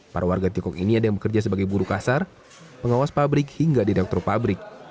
para warga tiongkok ini ada yang bekerja sebagai buru kasar pengawas pabrik hingga direktur pabrik